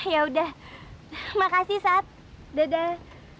ya udah makasih saat dadah